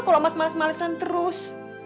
kalau mas males malesan terus